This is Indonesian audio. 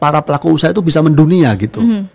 para pelaku usaha itu bisa mendunia gitu